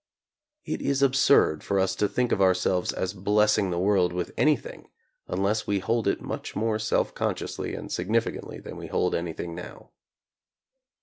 It is ab surd for us to think of ourselves as blessing the world with anything unless we hold it much more self consciously and significantly than we hold anything now.